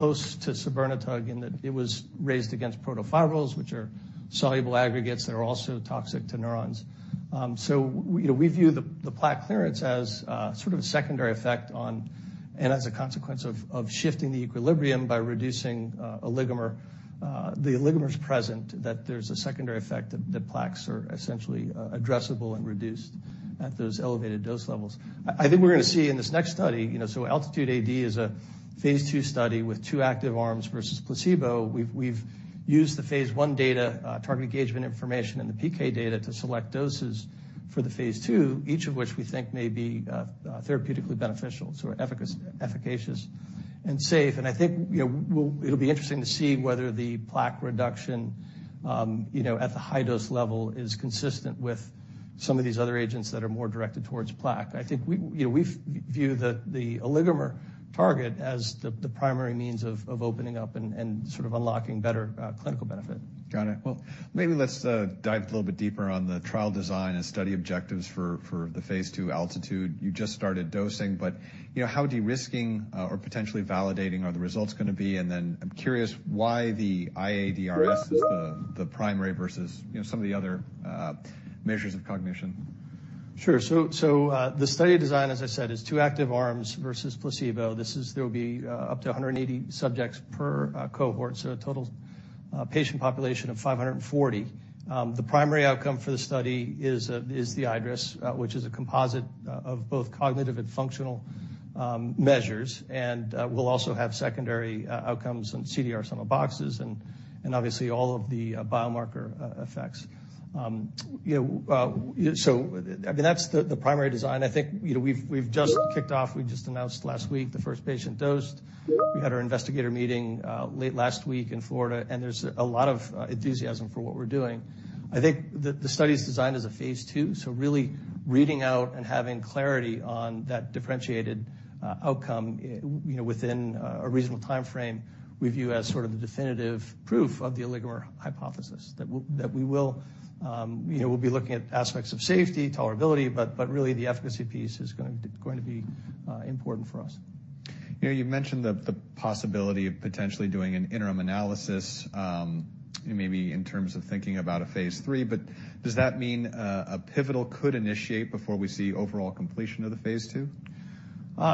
Compared to sabirnetug in that it was raised against protofibrils, which are soluble aggregates that are also toxic to neurons. So, you know, we view the plaque clearance as sort of a secondary effect on and as a consequence of shifting the equilibrium by reducing oligomers. The oligomers present, that there's a secondary effect that plaques are essentially addressable and reduced at those elevated dose levels. I think we're gonna see in this next study, you know, so ALTITUDE-AD is a Phase 2 study with two active arms versus placebo. We've used the Phase 1 data, target engagement information, and the PK data to select doses for the Phase 2, each of which we think may be therapeutically beneficial or efficacious and safe. I think, you know, we'll, it'll be interesting to see whether the plaque reduction, you know, at the high dose level is consistent with some of these other agents that are more directed towards plaque. I think we, you know, we view the oligomer target as the primary means of opening up and sort of unlocking better clinical benefit. Got it. Well, maybe let's dive a little bit deeper on the trial design and study objectives for the phase 2 ALTITUDE-AD. You just started dosing, but you know, how derisking or potentially validating are the results gonna be? And then I'm curious why the iADRS is the primary versus you know, some of the other measures of cognition. Sure. So, the study design, as I said, is two active arms versus placebo. There'll be up to 180 subjects per cohort, so a total patient population of 540. The primary outcome for the study is the iADRS, which is a composite of both cognitive and functional measures. We'll also have secondary outcomes on CDR-SB and obviously all of the biomarker effects. You know, so I mean, that's the primary design. I think, you know, we've just kicked off. We just announced last week the first patient dosed. We had our investigator meeting late last week in Florida, and there's a lot of enthusiasm for what we're doing. I think the study's designed as a Phase 2, so really reading out and having clarity on that differentiated outcome, you know, within a reasonable timeframe, we view as sort of the definitive proof of the oligomer hypothesis that we will, you know, we'll be looking at aspects of safety, tolerability, but really the efficacy piece is gonna going to be important for us. You know, you mentioned the possibility of potentially doing an interim analysis, maybe in terms of thinking about a Phase 2. But does that mean a pivotal could initiate before we see overall completion of the Phase 2?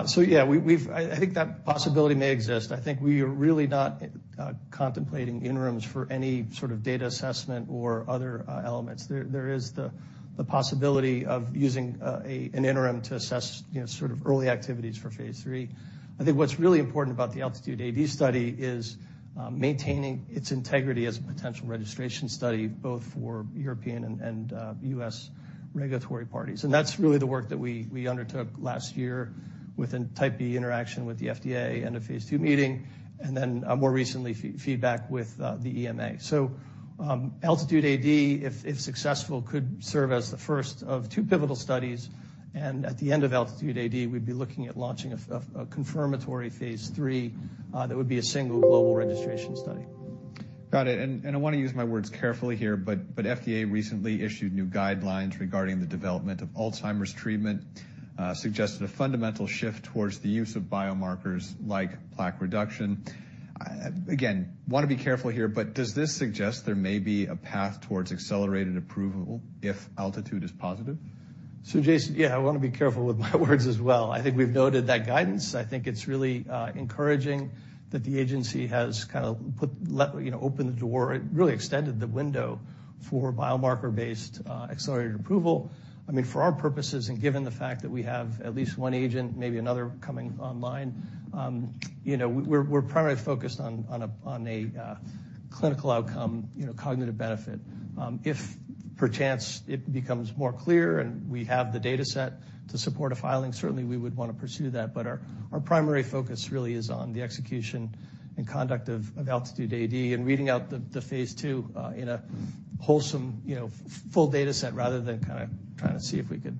So yeah, we've. I think that possibility may exist. I think we are really not contemplating interims for any sort of data assessment or other elements. There is the possibility of using an interim to assess, you know, sort of early activities for Phase 3. I think what's really important about the ALTITUDE-AD study is maintaining its integrity as a potential registration study both for European and U.S. regulatory parties. And that's really the work that we undertook last year within a Type B interaction with the FDA and a phase 2 meeting, and then, more recently, feedback with the EMA. So, ALTITUDE-AD, if successful, could serve as the first of two pivotal studies. And at the end of ALTITUDE-AD, we'd be looking at launching a confirmatory phase 3 that would be a single global registration study. Got it. And I wanna use my words carefully here, but FDA recently issued new guidelines regarding the development of Alzheimer's treatment, suggested a fundamental shift towards the use of biomarkers like plaque reduction. I again wanna be careful here, but does this suggest there may be a path towards accelerated approval if Altitude is positive? So, Jason, yeah, I wanna be careful with my words as well. I think we've noted that guidance. I think it's really encouraging that the agency has kinda put, you know, open the door really extended the window for biomarker-based, accelerated approval. I mean, for our purposes and given the fact that we have at least one agent, maybe another coming online, you know, we're primarily focused on a clinical outcome, you know, cognitive benefit. If per chance it becomes more clear and we have the dataset to support a filing, certainly we would wanna pursue that. But our primary focus really is on the execution and conduct of ALTITUDE-AD and reading out the phase 2 in a whole, you know, full dataset rather than kinda trying to see if we could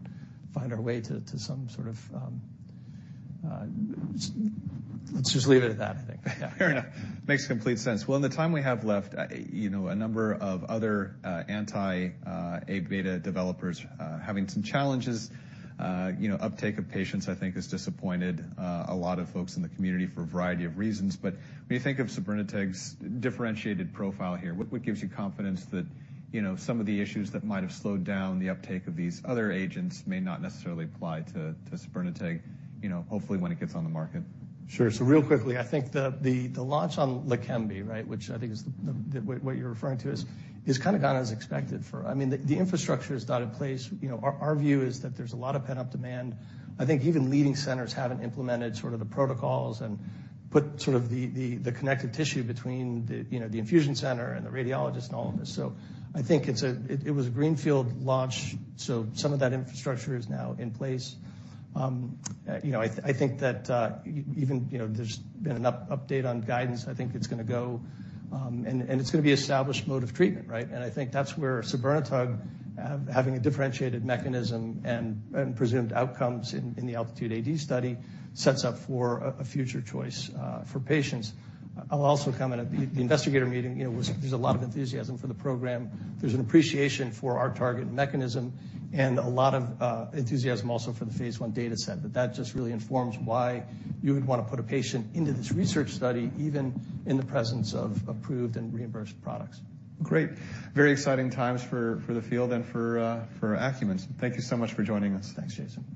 find our way to some sort of, let's just leave it at that, I think. Fair enough. Makes complete sense. Well, in the time we have left, I you know, a number of other anti-Abeta developers having some challenges. You know, uptake of patients, I think, is disappointing a lot of folks in the community for a variety of reasons. But when you think of sabirnetug's differentiated profile here, what gives you confidence that, you know, some of the issues that might have slowed down the uptake of these other agents may not necessarily apply to sabirnetug, you know, hopefully when it gets on the market? Sure. So real quickly, I think the launch on Leqembi, right, which I think is the what you're referring to, is kinda gone as expected. I mean, the infrastructure is not in place. You know, our view is that there's a lot of pent-up demand. I think even leading centers haven't implemented sort of the protocols and put sort of the connective tissue between, you know, the infusion center and the radiologist and all of this. So I think it was a greenfield launch, so some of that infrastructure is now in place. You know, I think that even, you know, there's been an update on guidance. I think it's gonna go, and it's gonna be established mode of treatment, right? I think that's where sabirnetug, having a differentiated mechanism and presumed outcomes in the ALTITUDE-AD study, sets up for a future choice for patients. I'll also comment on the investigator meeting, you know, as there's a lot of enthusiasm for the program. There's an appreciation for our target mechanism and a lot of enthusiasm also for the phase I dataset. But that just really informs why you would wanna put a patient into this research study even in the presence of approved and reimbursed products. Great. Very exciting times for the field and for Acumen. Thank you so much for joining us. Thanks, Jason.